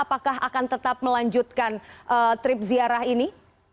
apakah akan tetap melanjutkan trip ziarah ini